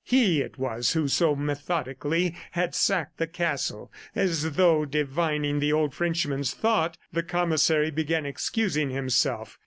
He it was who so methodically had sacked the castle. As though divining the old Frenchman's thought, the commissary began excusing himself.